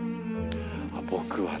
僕はね